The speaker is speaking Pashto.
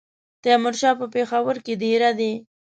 تیمورشاه په پېښور کې دېره دی.